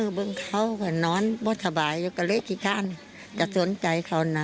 หนอนแถวเฉ่าอื่นไม่สบายก็เรลียดสิก่อนสนใจเธอนะ